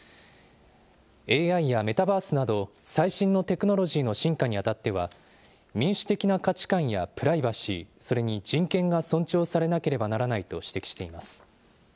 ＡＩやメタバースなど、最新のテクノロジーの進化にあたっては、民主的な価値観やプライバシー、それに人権が尊重されなければならないと指摘しています。